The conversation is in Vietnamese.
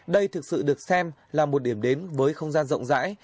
đây thực sự được xem là một điểm đến với không gian rộng rãi